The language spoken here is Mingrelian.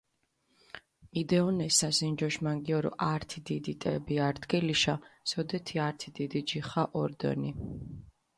მიდეჸონეს სასინჯოშ მანგიორო ართი დიდი ტები არდგილიშა, სოდეთი ართი დიდი ჯიხა ორდჷნი.